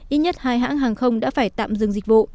ít nhất hai hãng hàng không đã phải tạm dừng dịch vụ